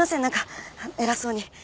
何か偉そうに。